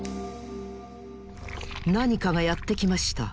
なにかがやってきました。